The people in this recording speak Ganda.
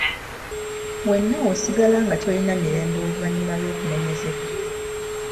Wenna osigala nga tolina mirembe oluvannyuma lw'okunenyezebwa.